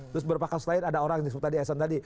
terus berapa kasus lain ada orang seperti tadi eson tadi